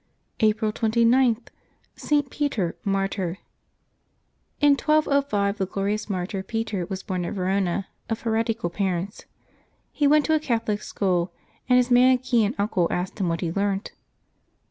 April 29.— ST. PETER, Martyr. IN 1205 the glorious martyr Peter was born at Verona of heretical parents. He went to a Catholic school, and his Manichean uncle asked what he learnt.